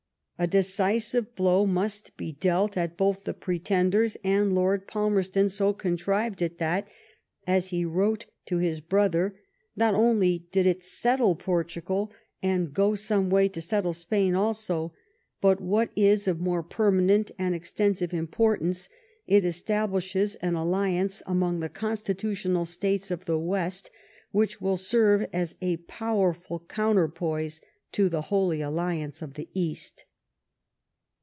A deci sive blow must be dealt at both the Pretenders; and Lord Palmerston so contrived it that, as he wrote to his brother, not only did it '^ settle Portugal, and go some way to settle Spain also, but, what is of more permanent and extensive importance, it establishes an ... alliance among the constitutional States of the West which will serve as a powerful counterpoise to the Holy Alliance of the East."